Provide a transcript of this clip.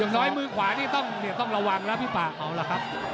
อย่างน้อยมือขวานี่ต้องระวังรับที่ปากเขาล่ะครับ